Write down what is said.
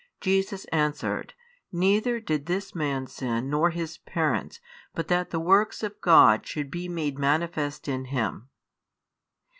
Jesus answered, Neither did this man sin nor his parents: but that the works of God should be made manifest in him.